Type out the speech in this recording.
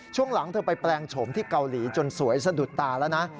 ช่วงหลังเธอไปแปลงโฉมที่เกาหลีจนสวยสะดุดตาแล้วนะ